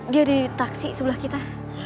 dia di taksi sebelah kita